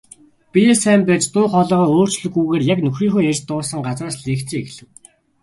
Биеэ сайн барьж, дуу хоолойгоо өөрчлөлгүйгээр яг нөхрийнхөө ярьж дууссан газраас лекцээ эхлэв.